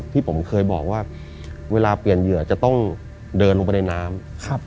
ที่ผมเคยบอกว่าเวลาเปลี่ยนเหยื่อจะต้องเดินลงไปในน้ำ